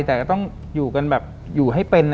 แต่ก็ต้องอยู่กันแบบอยู่ให้เป็นนะ